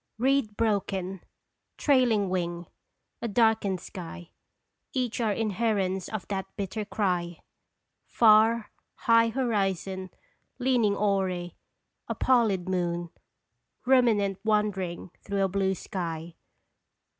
Reed broken ; trailing wing : a darkened sky ; Each are inherence of that bitter cry ! Far, high horizon, leaning awry, A pallid moon Ruminant wandering through a blue sky.